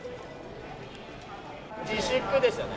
自粛ですよね？